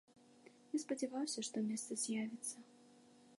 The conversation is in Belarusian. Я спадзяваўся, што месца з'явіцца.